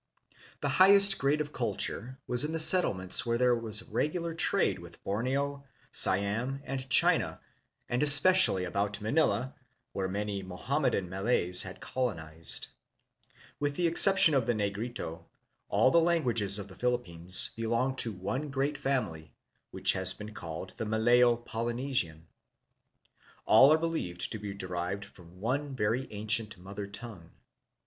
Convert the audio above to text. The liighest grade of culture was in the settlements where there was regular trade with Borneo, Siam, and China, and especially about Manila, where many Moham medan Malays had colonized. Languages of the Malayan Peoples. With the exception of the Negrito, all the languages of the Philippines belong to one great family, which has been called the " Malayo Polynesian." All are believed to be derived from one very ancient mother tongue.